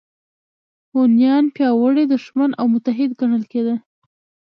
هونیان پیاوړی دښمن او متحد ګڼل کېده